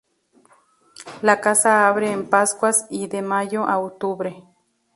La casa abre en Pascuas y de mayo a octubre.